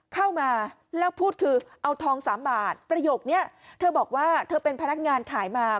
เข้ามาแล้วพูดคือเอาทองสามบาทประโยคนี้เธอบอกว่าเธอเป็นพนักงานขายมา